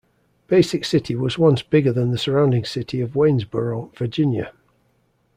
Basic City was once bigger than the surrounding city of Waynesboro, Virginia.